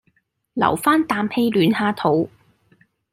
留返啖氣暖下肚